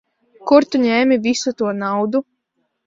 Kur tu ņēmi visu to naudu?